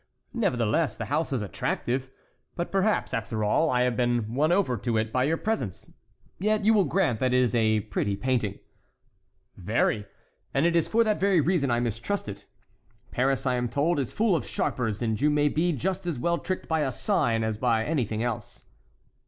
Nevertheless, the house is attractive. But perhaps, after all, I have been won over to it by your presence. Yet you will grant that is a pretty painting?" "Very! and it is for that very reason I mistrust it. Paris, I am told, is full of sharpers, and you may be just as well tricked by a sign as by anything else."